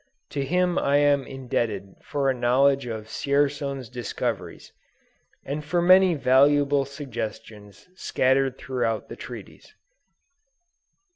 To him I am indebted for a knowledge of Dzierzon's discoveries, and for many valuable suggestions scattered throughout the Treatise.